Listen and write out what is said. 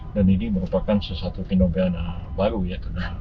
dan ini merupakan sesuatu pinombeana baru ya